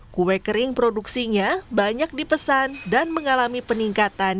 kue kering produksinya banyak dipesan dan mengalami peningkatan